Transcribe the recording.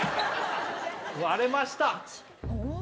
割れました